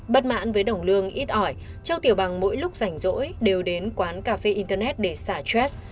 bất mãn với đồng lương ít ỏi châu tiểu bằng mỗi lúc rảnh rỗi đều đến quán cà phê internet để xả trust